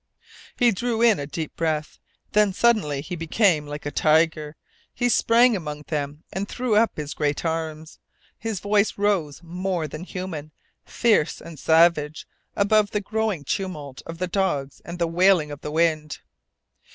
He drew in a deep breath. Then suddenly he became like a tiger. He sprang among the men, and threw up his great arms. His voice rose more than human, fierce and savage, above the growing tumult of the dogs and the wailing of the wind.